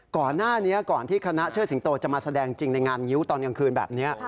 ก่อนหน้านี้ก่อนที่คณะเชิดสิงโตจะมาแสดงจริงในงานงิ้วตอนกลางคืนแบบนี้